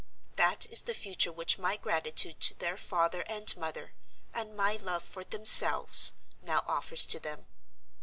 That is the future which my gratitude to their father and mother, and my love for themselves, now offers to them.